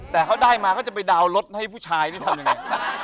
แต่เขาได้มาเขาจะไปดาวน์รถให้ผู้ชายนี่ทำยังไง